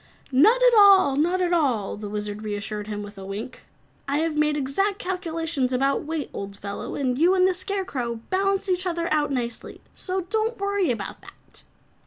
"Not at all, not at all," the Wizard reassured him with a wink. "I have made exact calculations about weight, old fellow, and you and the Scarecrow balance each other nicely. So don't worry about that."